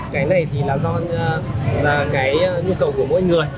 cái này thì là do cái nhu cầu của mỗi người